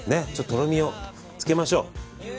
とろみをつけましょう。